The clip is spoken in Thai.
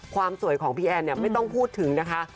ความสวยของพี่แอนเนี่ยไม่ต้องพูดถึงนะคะ